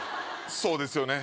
そうですよね